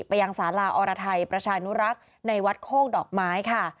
ไปยังสาราอรไทยประชานุรักษ์ในวัดโคกดอกไม้ค่ะ